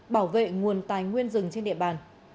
bảo vệ nguồn tài nguyên rừng trên địa bàn